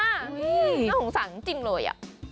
อื้อนั่นของสัตว์จริงเลย